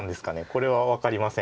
これは分かりません。